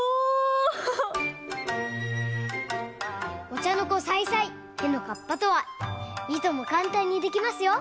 「お茶の子さいさい屁の河童」とは「いともかんたんにできますよ」